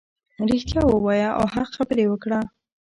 رښتیا ووایه او حق خبرې وکړه .